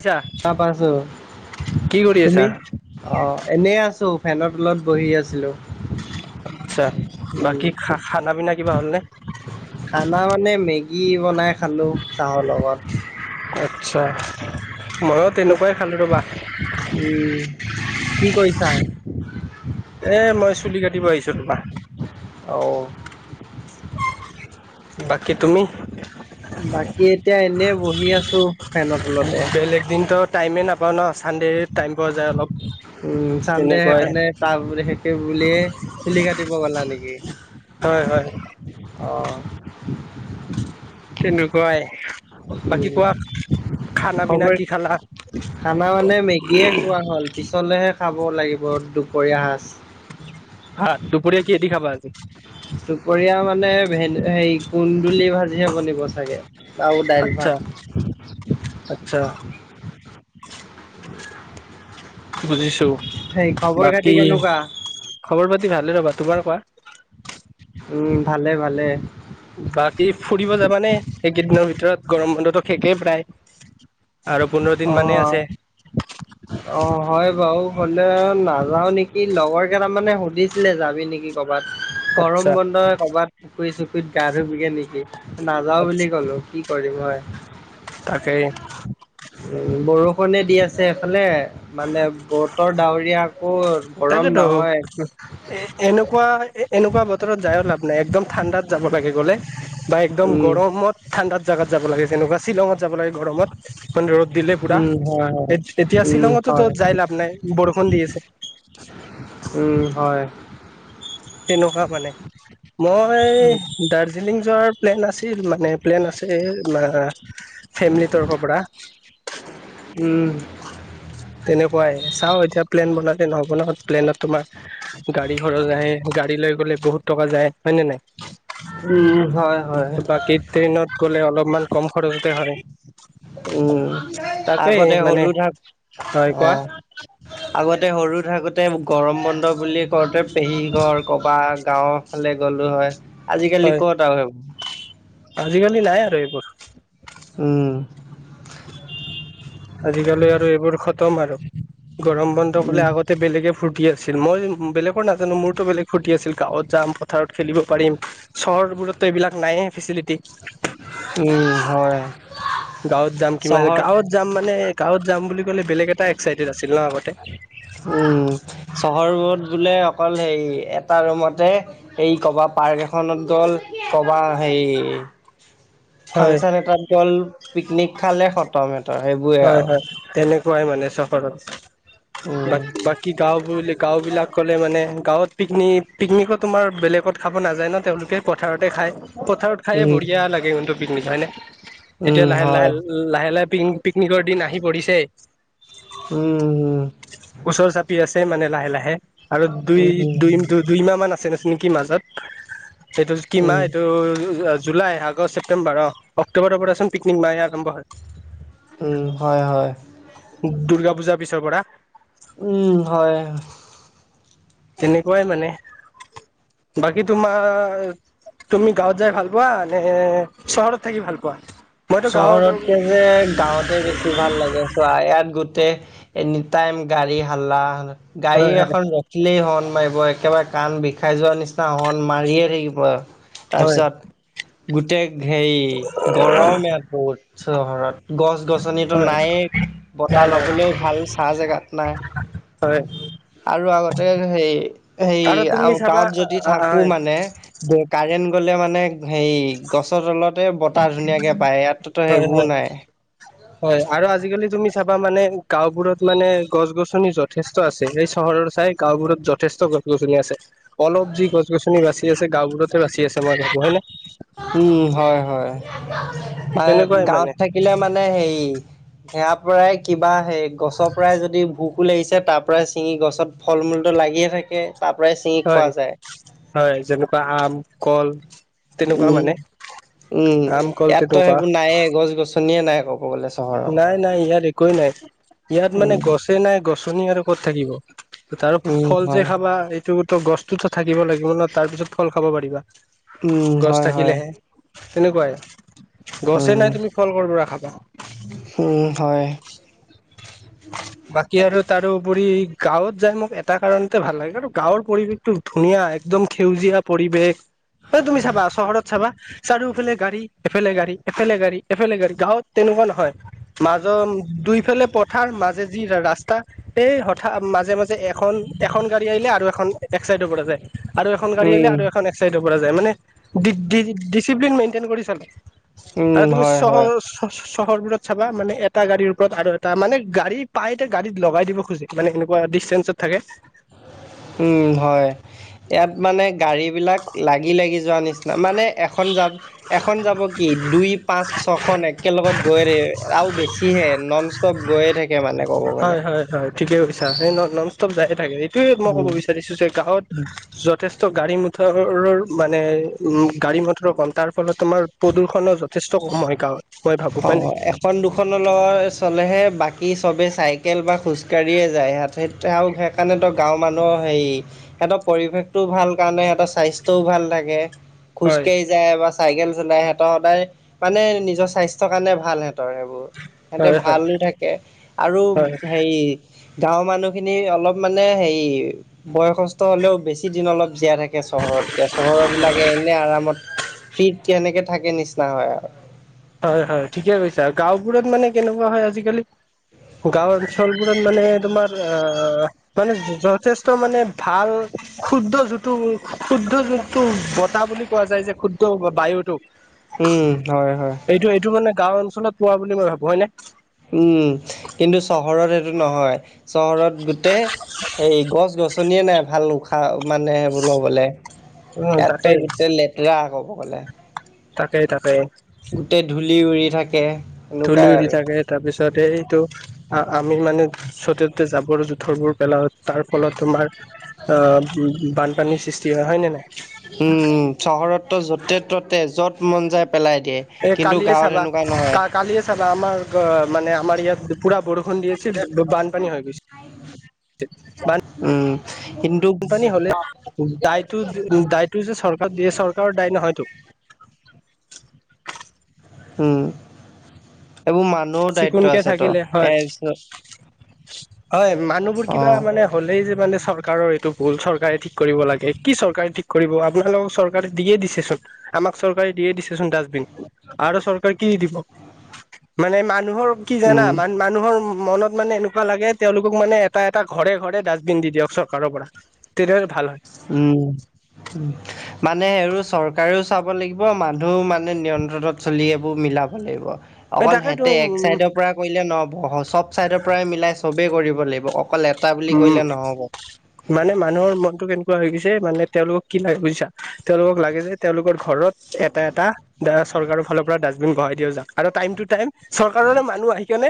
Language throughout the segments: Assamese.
আছা তা পাইছোঁ। কি কৰি আছা তুমি অ', এনে আছো ফেনৰ তলত বহি আছিলোঁ। আচ্ছা বাকী খা খানা পিনা কিবা হ'লনে। খানা মানে মেগী বনাই খালোঁ চাহৰ লগত। আচ্ছা ময়ো তেনেকুৱাই খালোঁ ৰ'বাহ। উম, কি কৰিছা। এ মই চুলি কাটিব আহিছোঁ ৰবা। অ'। বাকী তুমি বাকী এতিয়া এনে বহি আছো ফেনৰ তলতে। দিনটো টাইমেই নাপাওঁ ন চানডে টাইম পোৱা যায় অলপ। উম, চান্দে তেনেকুৱাই সেইকাৰণে তাৰ সেতোৱে বুলিয়ে চুলি কাটিব গলা নেকি? হয়, হয়। অ'। তেনেকুৱাই। উ, বাকী কোৱা খানা পিনা খবৰ কি খালা খানা মানে মেগীয়ে খোৱা হ'ল, পিছলেহে খাব লাগিব দুপৰীয়া সাজ। ভাত, দুপৰীয়া কি হেদি খাবা আজি? দুপৰিয়া মানে ভে হেৰি কুন্দুলি ভাজিহে বনিব চাগে। আৰু দাইল ভাত আচ্ছা, আচ্ছা। [inaudible] বুজিছো, সেই খবৰ খাতি বাকী কেনেকুৱা? খবৰ পাতি ভালে ৰ'বা, তোমাৰ কোৱা। উম, ভালে ভালে। বাকী ফুৰিব যাবানে, এইকেইদিনৰ ভিতৰত গৰম বন্ধতো শেষেই প্ৰায়। আৰু পোন্ধৰ দিন মানেই আছে অ'। অ' হয় বাৰু, হলে নাযাও নেকি লগৰ কেইটাৰমানয়ে সুধিছিলে যাবি নেকি। কৰবাত আচ্ছা গৰম বন্ধই কৰবাত পুখুৰী চুখুৰীত গা ধুবিগে নেকি। নাযাও বুলি কলো, কি কৰিম হয়। তাকেই। উ, বৰষুণে দি আছে এফালে মানে বতৰ ডাৱৰীয়া। আকৌ গৰম তাকেতো। নহয়। এ এনেকুৱা এ এনেকুৱা বতৰত যায়ো লাভ নাই একদম ঠাণ্ডাত যাব লাগে গলে। বা একদম উম গৰমত ঠাণ্ডাত জাগাত যাব লাগে যেনেকুৱা শ্বিলঙত যাব লাগে গৰমত। মানে ৰ'দ দিলে পুৰা, উম হয় হয় এতিয়া উম শ্বিলঙতোতো হয় যাই লাভ নাই বৰষুণ দি আছে। উম, হয়। তেনেকুৱা মানে, উম, মই দাৰ্জিলিং যোৱাৰ প্লেন আছিল। মানে প্লেন আছিল, ম ফেমিলি তৰফৰ পৰা। উম। তেনেকুৱাই, চাওঁ এতিয়া প্লেন বনালে নহব নহ প্লেনত তোমাৰ গাড়ী খৰচ আহে, গাড়ী লৈ গ'লে বহুত টকা যায় হয় নে নাই? উম, হয়। হয়, বাকী, ট্ৰেইনত গ'লে অলপমান কম খৰচতে হয়। উম, তাকেই আগতে মানে সৰু থাক, হয় অ' কোৱা আগতে সৰু থাকোঁতে গৰম বন্ধ বুলি কওঁতে, পেহীঘৰ, ক'ৰবাত গাঁও ফালে গ'লো হয়, আজিকালি হয় ক'ত আৰু সেইবোৰ। আজিকালি নাই আৰু এইবোৰ। উম। আজিকালি আৰু এইবোৰ খতম আৰু, গৰম বন্ধ কলে উম, আগতে বেলেগে ফুুৰি ফূৰ্তি আছিল, মই বেলেগৰ নাজানো, মোৰতো বেলেগ ফূৰ্তি আছিল, গাঁৱত যাম পথাৰত খেলিব পাৰিম। চহৰবোৰতো এইবিলাক নাই ফেচিলিটি। উম, হয়, গাঁৱত যাম, কিমান চহৰ গাঁৱত যাম মানে গাঁৱত যাম বুলি ক'লে বেলেগ এটা এক্সাইটেড আছিলো আগতে। উম, চহৰবত বোলে অকল হে এটা ৰুমতে এই কবা পাৰ্ক এখনত গ'ল, কবা হেৰি হয় ফাংচন এটাত গ'ল, পিকনিক খালে খতম হেতৰ। হয় হয়, তেনেকুৱাই মানে চহৰত। উম, বাকী গাও, বুলি গাঁও বিলাক ক'লে মানে গাঁৱত পিকনিক পিকনিকো তোমাৰ বেলেগত খাব নাযায় ন তেওঁলোকে পথাৰতে খায়, পথাৰত খায়ে উম। বঢ়িয়া লাগেটো পিকনিক হয় ন, এতিয়া উম, লাহে হয়। লাহে লাহে লাহে পি-পিকনিকৰ দিন আহি পৰিছে। উম। ওচৰ চাপি আছে মানে লাহে লাহে আৰু দুই, উম, উম, দুই, দুই। দুই মাহ মান আছে [unintelligible] নেকি মাজত এইটো কি মাহ উম, এইটো জুলাই আগ আগষ্ট ছেপ্টেম্বৰ অহ অক্টোবোৰৰ পৰাচোন পিকনিক মাহে আৰম্ভ হয়। উম হয়, হয়। দুৰ্গা পূজাৰ পিছৰ পৰা। উম হয়। তেনেকুৱাই মানে বাকী তোমাৰ। তুমি গাঁৱত যাই ভাল পোৱা নে চহৰত থাকি ভাল পোৱা। মইতো গাঁৱত চহৰতকে যে গাঁৱতে বেছি [unintelligible] ভাল লাগে চোৱা ইয়াত গোটেই এনিটাইম গাড়ী হাল্লা। গাড়ী হয় এখন ৰ খিলেই হৰ্ণ মাৰিব একেবাৰে কাণ বিষাই যোৱাৰ নিচিনা হৰ্ণ মাৰিয়ে থাকিব। হয় হয় তাৰপিছত গোটেই হেৰি গৰমে ইয়াত বহুত চহৰত। গছ-গছনিটো হয় নাইয়ে নাই বতাহ নাই ল'বলৈও ভাল চাহ জেগাত নাই। হয় আৰু আগতে হেই, হেই আৰু তুমি চাবা গাঁৱত যদি থাকো হয় মানে। কাৰেণ্ট গ'লে মানে হেৰি গছৰ তলতে বতাহ ধুনীয়াকে। পায় ইয়াততো হয় হয় সেইবোৰ নাই। হয় আৰু আজিকালি তুমি চাবা মানে গাঁওবোৰত মানে গছ-গছনি যত। যথেষ্ট আছে এই চহৰ চাই গাঁওবোৰত যথেষ্ট গছ-গছনি আছে। অলপ যি গছ-গছনি বাছি আছে গাওঁবোৰতে বাচি আছে মই ভাবো হয়নে। উম হয়, হয় [unintelligible] তেনেকুৱাই মানে গাঁৱত থাক কিলে মানে হেৰি সেয়াৰ পৰাই কিবা সেই গছৰ পৰাই যদি ভোক। [unintelligible] লাগিছে তাৰ পৰাই চিঙি গছত ফল মূলটো লাগিয়ে থাকে তাৰ পৰাই চিঙি হয় খোৱা যায়। হয় যেনেকুৱা আম কল। তেনেকুৱা উম, মানে উম আম কল ইয়াততো তেনেকুৱা সেইবোৰ নাইয়ে গছ-গছনিয়ে নাই ক'ব গ'লে। [unintelligible] নাই, নাই ইয়াত একোৱেই নাই। ইয়াত মানে উম গছে নাই গছনি আৰু ক'ত থাকিব তাৰ উম ফল যে হয় খাবা। [unintelligible] [unintelligible] গছতো থাকিব লাগিব নহ তাৰ পিছত ফল খাব পাৰিবা উম গছ হয় হয় থাকিলেহে। তেনেকুৱাই গছে নাই উম। তুমি ফল কৰ পৰা খাবা। উম হয়। [inaudible] বাকী আৰু তাৰোপৰি গাঁৱত যাই মোক এটা কাৰণতে ভাল লাগে আৰু গাঁৱৰ পৰিৱেশ। [unintelligible] ধুনীয়া একদম সেউজীয়া পৰিৱেশ। অ তুমি চাবা চহৰত চাবা চাৰিওফালে গাড়ী এফালে গাড়ী এফালে গাড়ী। এফালে গাড়ী গাঁৱত তেনেকুৱা নহয় মাজৰ দুইফালে পথাৰ মাজেদি ৰাস্তা। এই হঠা মাজে, মাজে এখন, এখন গাড়ী আহিলে আৰু এখন একচাইডৰ পৰা যায়। আৰু এখন গাড়ী উম, আহিলে আৰু এখন এক চাইডৰ পৰা যায় মানে ডি-ডিচিপ্লিন মেইনটেইন কৰি চলে। উম, আৰু তুমি হয়, হয়। চহৰ-চহৰবোৰত চাবা মানে এটা গাড়ীৰ ওপৰত আৰু। [unintelligible] তাৰ মানে গাড়ী পাই গাড়ীত লগাই দিব খোজে মানে এনেকুৱা ডিচটেন্সত থাকে। উম হয়। ইয়াত মানে গাড়ী বিলাক লাগি, লাগি যোৱা নিচিনা মানে এখন যা এখন যাব কি দুই পাঁচ ছখন একেলগত গৈ আৰু বেছিহে নন ষ্টপ গৈয়ে থাকে মানে ক'ব গ'লে। হয় হয় ঠিকে কৈছা সেই নন'ষ্টপ যাইয়ে থাকে এইটোয়ে মই ক'ব উম, বিচাৰিছো যে গাঁৱত। উম। যথেষ্ট গাড়ী মটৰৰ মানে উম গাড়ী মটৰ কম তাৰ ফলত তোমাৰ। প্ৰদূ্ষণো যথেষ্ট কম হয় গাঁৱত মই ভাবো হয়নে। অ', এখন দুখনন [unintelligible] চলে বাকী চবে চাইকেল বা খোজকাঢ়িয়ে যায়। [unintelligible] [unintelligible] আৰু সেইকাৰণেতো গাঁৱৰ মানুহৰ হেৰি। সিহঁতৰ পৰিৱেশটোও ভাল কাৰণে, সিহঁতৰ স্বাস্থ্য়ও ভাল থাকে। খোজ হয় কাঢ়ি যায় বা চাইকেল চলাই সিহঁতৰ সদায় মানে নিজৰ স্বাস্থ্যৰ কাৰণে ভাল সিহঁতৰ [unintelligible] সিহঁতে হয় হয় ভালো থাকে, আৰু হয় হেৰি গাঁৱৰ মানুহখিনি অলপ মানে হেৰি বয়সস্থ হলেও বেছি দিন অলপ জীয়াই থাকে চহৰতকে, চহৰ বিলাকে এনে আৰামত ফ্ৰীট কেনেকে থাকে নিচিনা হয় আৰু। হয়, হয়, ঠিকে কৈছা গাঁওবোৰত মানে কেনেকুৱা হয়, আজিকালি গাঁও অঞ্চলবোৰত মানে, তোমাৰ অ' মানে যথেষ্ট মানে ভাল শুদ্ধ জুঁটো শুদ্ধ জোনটো বতাহ বুলি কোৱা যায় যে শুদ্ধ বায়ুটোক। উম, হয়, হয়। এইটো এইটো মানে গাও অঞ্চলত পোৱা বুলি মই ভাবো হয় নে? উম, কিন্তু চহৰত সেইটো নহয়, চহৰত গোটেই এই গছ গছনিয়ে নাই ভাল উশাহ মানে, বোল লবলে। উম ইয়াতটো তাকেই গোটেই লেতেৰা কব গ'লে। তাকেই তাকেই। গোটেই ধূলি উৰি থাকে। ধূলি এনেকুৱাই উৰি আৰু। থাকে, তাৰপিছত এইটো আমি মানে জতে ততে যাবৰ যুথৰ বোৰ পেলাও। তাৰ ফলত তোমাৰ আহ বানপানীৰ সৃষ্টি হয়, হয়, নে নাই? চহৰতটো য'তে ত'তে য'ত মন যাই পেলাই দিয়ে। এ কিন্তু কালিয়ে গাঁৱত চাবা সেনেকুৱা নহয়। কা কালিয়ে চাবা আমাৰ মানে আমাৰ ইয়াত পুৰা বৰষুণ দি আছিল বানপানী হৈ গৈছে [unintelligible] উম, কিন্তু বানপানী হলে দায়টো দায়টো যে চৰকাৰ দিয়ে, চৰকাৰৰ দায় নহয়তো। উম, এইবোৰ মানুহৰ দায়িত্ব চিকুণকে আছে তো থাকিলে হয় [unintelligible] হয়, মানুহবোৰ কিবা মানে হ'লেই যে মানে চৰকাৰৰ এইটো ভুল, চৰকাৰে ঠিক কৰিব লাগে, কি চৰকাৰে ঠিক কৰিব আপোনালোকক চৰকাৰ চৰকাৰে দিয়ে দিছেচোন, আমাক চৰকাৰে দিয়ে দিছেচোন ডাষ্টবিন, আৰু চৰকাৰে কি দি দিব। মানে মানুহৰ কি জানা, উম, মানু মানুহৰ মনত মানে এনেকুৱা লাগে, তেওঁলোকক মানে এটা এটা ঘৰে ঘৰে ডাষ্টবিন দি দিয়ক চৰকাৰৰ পৰা। তেতিয়া ভাল হয়। উম। মানে আৰু চৰকাৰেও চাব লাগিব মানুহও মানে নিয়ন্ত্ৰণত চলি এইবোৰ মিলাব লাগিব। এই অকল তাকেতো হেতে উম এক চাইডৰ পৰা কৰিলে নহব চব চাইডৰ পৰাই মিলাই চবেই কৰিব লাগিব, অকল এটা বুলি উম কৰিলে নহ'ব। মানে মানুহৰ মনতটো কেনেকুৱা হৈ গৈছে, মানে তেওঁলোকক কি লাগে বুজিছা। তেওঁলোকক লাগে যে, তেওঁলোকৰ ঘৰত এটা এটা দ চৰকাৰৰ ফালৰ পৰা ডাষ্টবিন বঢ়াই দিয়া যাওক, আৰু টাইম টো টাইম চৰকাৰৰে মানুহ আহি কেনে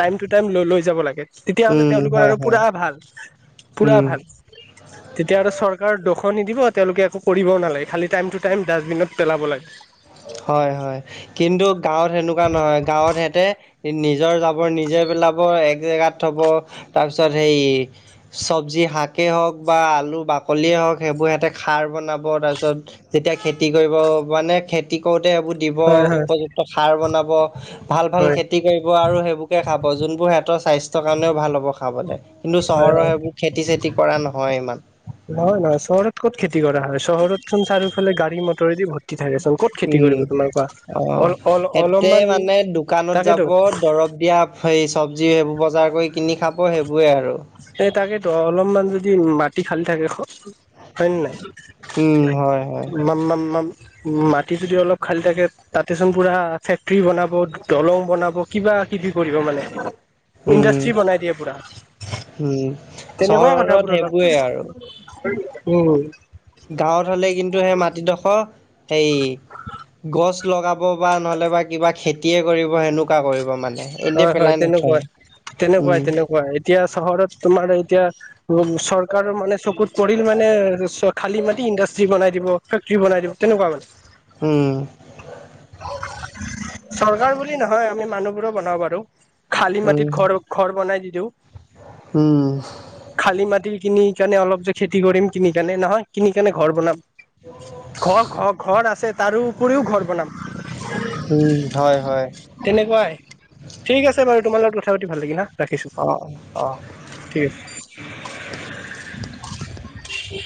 টাইম টু টাইম ল লৈ যাব লাগে, তেতিয়াহ'লে উম তেওঁলোকৰ হয় আৰু হয় পুৰা ভাল, পুৰা ভাল। [inaudible] তেতিয়া আৰু চৰকাৰ দোষ নিদিব, তেওঁলোকে একো কৰিবও নালাগে, খালি টাইম টু টাইম ডাষ্টবিনত পেলাব লাগে। হয়, হয়, কিন্তু গাঁৱত সেনেকুৱা নহয়, গাঁৱত হেঁতে নিজৰ যাবৰ নিজে পেলাব, এক জেগাত থব, তাৰপিছত সেই চবজি শাকেই হওক বা আলু বাকলিয়েই হওক, সেইবোৰ সিহঁতে খাৰ বনাব তাৰপিছত যেতিয়া খেতি কৰিব মানে খেতি কৰোতে সেইবোৰ দিব হয় হয় উপযুক্ত সাৰ বনাব, ভাল ভাল হয় খেতি কৰি ব আৰু সেইবোৰকে খাব, যোনবোৰ সিহঁতৰ স্বাস্থ্য কাৰণেও ভাল হ'ব খাবলৈ। কিন্তু হয় চহৰৰ হয় সেইবোৰ খেতি-চেতি কৰা নহয় ইমান। নহয় নহয়, চহৰত ক'ত খেতি কৰা হয়, চহৰতচোন চাৰিওফালে গাড়ী মটৰেদি ভৰ উম, অ' অল অল এতে অলপমান মানে দোকানত যাব, তাকেতো দৰব দিয়া সেই চব্জি সেইবোৰ বজাৰ কৰি কিনি খাব সেইবোৰেই আৰু। এ, তাকেইেতো অলপমান যদি মাটি খালী থাকে হয় নে নাই? উম হয় হয় মাটি যদি অলপ খালী থাকে তাতেচোন পুৰা ফেক্টৰী বনাব, দলং বনাব কিবা কিবি কৰিব মানে। উম ইণ্ডাষ্ট্ৰী বনাই দিয়ে পুৰা। উম, তেনেকুৱাই চহৰত কথাবোৰ অলপ সেইবোৰেই আৰু। উম। গাঁৱত হ'লে কিন্তু সেই মাটিডোখৰ হেই গছ লগাব বা নহ'লে বা কিবা খেতিয়ে কৰিব সেনেকা কুৱা কৰিব মানে, এনে হয় হয় পেলাই নথয় তেনেকুৱাই তেনেকুৱাই উম। তেনেকুৱাই এতিয়া চহৰত তোমাৰ এতিয়া চৰকাৰৰ মানে চকুত পৰিল মানে খালী মাটি ইণ্ডাষ্ট্ৰি বনাই দিব। ফেক্টৰী বনাই দিব, তেনেকুৱা মানে উম। চৰকাৰ বুলি নহয় আমি মানুহবোৰো বনাব পাৰোঁ। খালী উম মাটিত ঘৰ ঘৰ বনাই দি দিওঁ। উম খালী মাটি কিনি কেনে অলপ যে খেতি কৰিম কিনি কেনে নহয় কিনি কেনে ঘৰ বনাম। ঘৰ ঘৰ ঘৰ আছে তাৰোপৰিও ঘৰ বনাম। উম, হয় হয়। তেনেকুৱাই। ঠিক আছে বাৰু তোমাৰ লগত কথা পাতি ভাল লাগিল হা, ৰাখিছোঁ। অ অ ঠিক আছে।